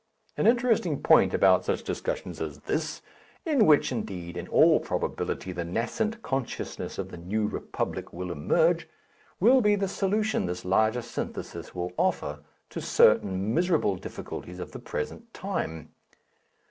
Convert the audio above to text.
An interesting point about such discussions as this, in which indeed in all probability the nascent consciousness of the New Republic will emerge, will be the solution this larger synthesis will offer to certain miserable difficulties of the present time.